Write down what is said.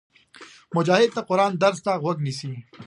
مجاهد د قرآن درس ته غوږ نیسي.